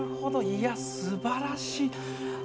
いや。素晴らしい。